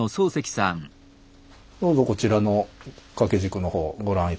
どうぞこちらの掛け軸の方をご覧頂いて。